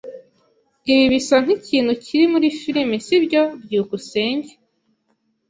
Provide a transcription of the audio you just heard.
Ibi bisa nkikintu kiri muri firime, sibyo? byukusenge